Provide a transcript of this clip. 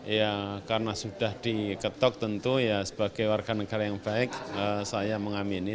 ya karena sudah diketok tentu ya sebagai warga negara yang baik saya mengamini